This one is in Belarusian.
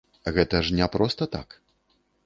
Гэта ж не проста так.